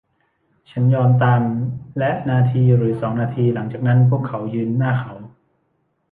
ฉันยอมตาม และนาทีหรือสองนาทีหลังจากนั้นพวกเขายืนหน้าเขา